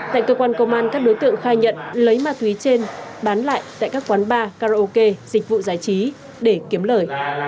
tại cơ quan công an các đối tượng khai nhận lấy ma túy trên bán lại tại các quán bar karaoke dịch vụ giải trí để kiếm lời